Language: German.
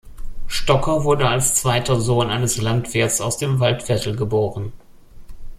Stocker wurde als zweiter Sohn eines Landwirts aus dem Waldviertel geboren.